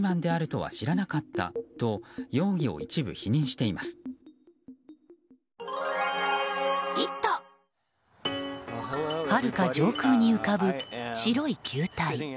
はるか上空に浮かぶ白い球体。